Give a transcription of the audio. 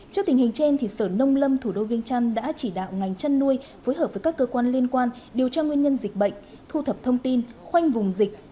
trước tình hình trên sở nông lâm thủ đô viên trăn đã chỉ đạo ngành chăn nuôi phối hợp với các cơ quan liên quan điều tra nguyên nhân dịch bệnh thu thập thông tin khoanh vùng dịch